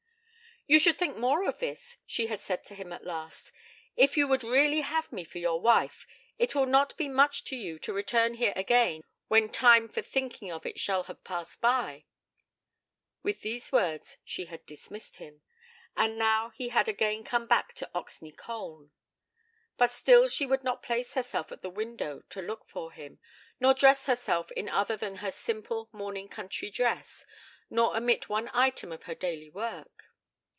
'You should think more of this,' she had said to him at last. 'If you would really have me for your wife, it will not be much to you to return here again when time for thinking of it shall have passed by.' With these words she had dismissed him, and now he had again come back to Oxney Colne. But still she would not place herself at the window to look for him, nor dress herself in other than her simple morning country dress, nor omit one item of her daily work.